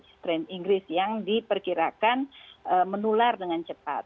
strain inggris yang diperkirakan menular dengan cepat